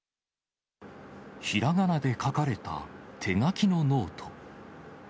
ひらがなで書かれた手書きのノート。